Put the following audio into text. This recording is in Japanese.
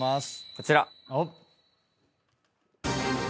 こちら。